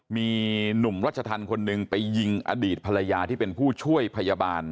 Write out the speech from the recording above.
มีหนุ่มรัชธรรมคนหนึ่งไปยิงอดีตภรรยาที่เป็นผู้ช่วยพยาบาล